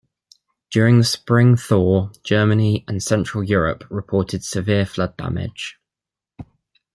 During the spring thaw, Germany and Central Europe reported severe flood damage.